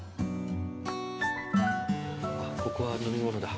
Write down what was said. ここは飲み物だ。